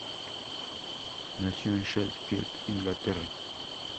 Nació en Sheffield, Inglaterra.